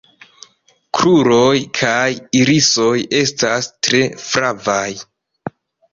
Kruroj kaj irisoj estas tre flavaj.